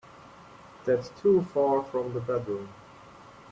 That's too far from the bedroom.